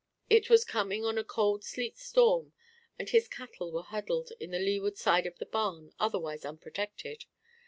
It was coming on a cold sleet storm, and his cattle were huddled on the leeward side of the barn, otherwise unprotected.